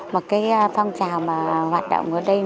mà cái phong trào mà hoạt động ở đây nó